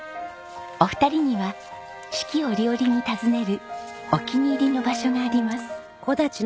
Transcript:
お二人には四季折々に訪ねるお気に入りの場所があります。